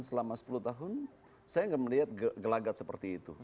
selama sepuluh tahun saya tidak melihat gelagat seperti itu